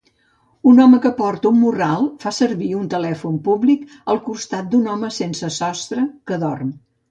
un home que porta un morral fa servir un telèfon públic al costat d'un home sense sostre que dorm.